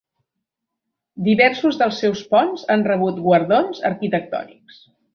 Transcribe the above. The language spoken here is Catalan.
Diversos dels seus ponts han rebut guardons arquitectònics.